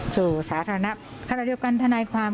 สู่สาธารณะขณะเดียวกันทนายความ